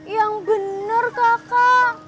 yang benar kakak